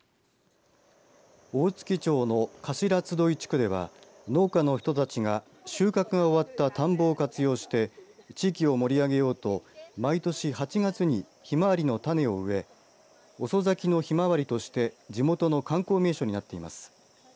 大月町の頭集地区では農家の人たちが収穫が終わった田んぼを活用して地域を盛り上げようと毎年８月にひまわりの種を植え遅咲きのひまわりとして地元の観光名所になっています。